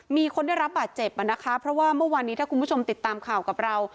มีคนได้รับบาดเจ็บอ่ะนะคะเพราะว่าเมื่อวานนี้ถ้าคุณผู้ชมติดตามข่าวกับเรา